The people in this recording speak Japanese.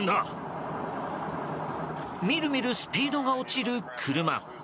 みるみるスピードが落ちる車。